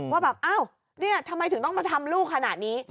ว่าแบบอ้าวเนี่ยทำไมถึงต้องมาทำลูกขนาดนี้